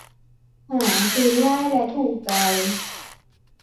หาซื้อง่ายและถูกใจ